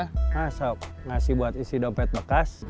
hah sob ngasih buat istri dompet bekas